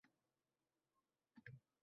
Bog‘ hovlida izlaringni izlayman